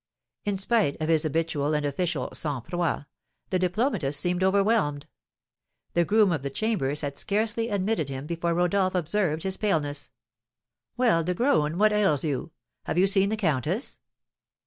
In spite of his habitual and official sang froid, the diplomatist seemed overwhelmed; the groom of the chambers had scarcely admitted him before Rodolph observed his paleness. "Well, De Graün, what ails you? Have you seen the countess?"